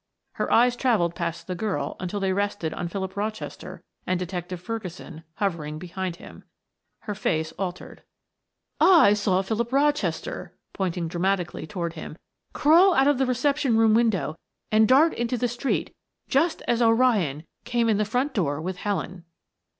Her eyes traveled past the girl until they rested on Philip Rochester and Detective Ferguson hovering behind him. Her face altered. "I saw Philip Rochester," pointing dramatically toward him, "crawl out of the reception room window and dart into the street just as O'Ryan came in the front door with Helen."